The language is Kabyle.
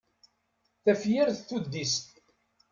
Tafyirt tuddist.